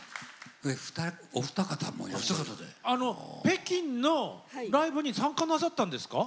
北京のライブに参加なさったんですか？